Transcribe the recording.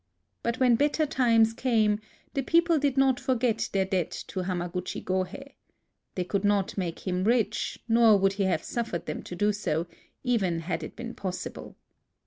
But when better times came, the people did not forget their debt to Hamaguchi Gohei. They could not make him rich; nor would A LIVING GOD 27 he have suffered them to do so, even had it been possible.